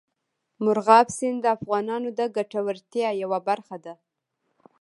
مورغاب سیند د افغانانو د ګټورتیا یوه برخه ده.